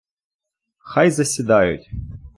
Хай засідають.